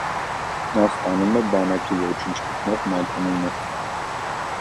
Նա ստանում է «բանակի ոչնչացնող» մականունը։